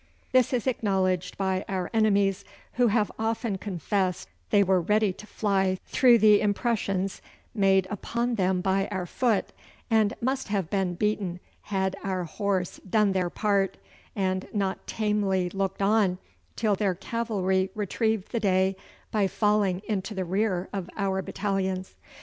This is acknowledged by our enemies, who have often confessed they were ready to fly through the impressions made upon them by our foot, and must have been beaten had our horse done their part, and not tamely looked on till their cavalry retrieved the day by falling into the rear of our battalions.